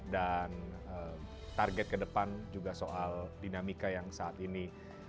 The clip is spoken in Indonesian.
dan target kedepan juga soal dinamika yang saat ini